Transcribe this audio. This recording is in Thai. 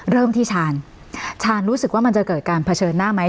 เริ่มที่ชาญชานรู้สึกว่ามันจะเกิดการเผชิญหน้าไหม